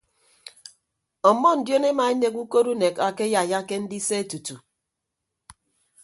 Ọmmọ ndion emaenek ukot unek akeyaiyake ndise tutu.